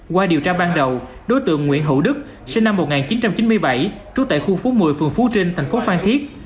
qua điều tra ban đầu đối tượng nguyễn hữu đức sinh năm một nghìn chín trăm chín mươi bảy trú tại khu phố một mươi phường phú trinh thành phố phan thiết